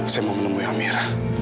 saya mau menemui amira